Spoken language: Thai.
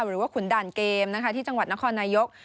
ขุนด่านเกมนะคะที่จังหวัดนครนายก